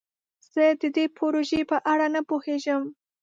زه د دې پروژې په اړه نه پوهیږم.